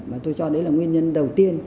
và tôi cho đấy là nguyên nhân đầu tiên